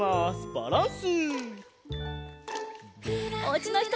バランス！